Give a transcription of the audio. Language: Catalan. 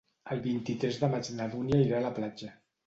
El vint-i-tres de maig na Dúnia irà a la platja.